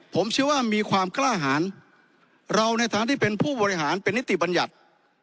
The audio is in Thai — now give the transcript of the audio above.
ผมเชื่อว่ามีความกล้าหารเราในทางที่เป็นผู้บริหารเป็นนิติบัญญัติ